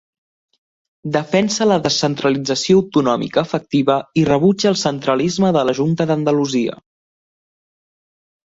Defensa la descentralització autonòmica efectiva i rebutja el centralisme de la Junta d'Andalusia.